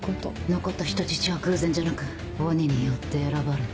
残った人質は偶然じゃなく鬼によって選ばれた。